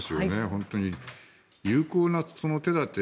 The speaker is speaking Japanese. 本当に有効な手立て